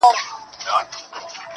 دا نه منم چي صرف ټوله نړۍ كي يو غمى دی_